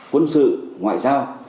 quân sự ngoại giao